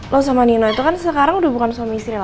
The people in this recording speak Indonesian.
lo sama nino itu kan sekarang udah bukan suami istri loh